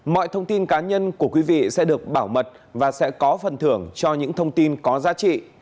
mọi thông tin cá nhân của quý vị sẽ được bảo mật và sẽ có phần thưởng cho những thông tin có giá trị